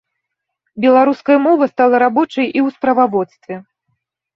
Беларуская мова стала рабочай і ў справаводстве.